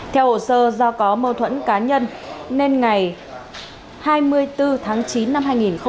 theo hộ sơ do có mâu thuẫn cá nhân nên ngày hai mươi bốn tháng chín năm hai nghìn một mươi hai